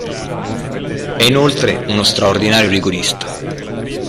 È inoltre uno straordinario rigorista.